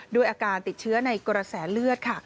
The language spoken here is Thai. ด้วยอาการติดเชื้อในกระแสเลือดค่ะ